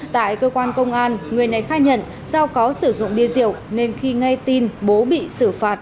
tại cơ quan công an người này khai nhận do có sử dụng bia rượu nên khi nghe tin bố bị xử phạt